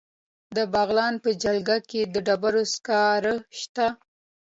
د بغلان په جلګه کې د ډبرو سکاره شته.